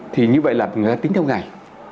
thì như vậy là người ta tính trong ngày